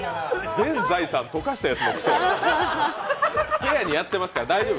全財産溶かしたやつの声。